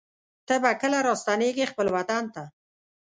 ته به کله راستنېږې خپل وطن ته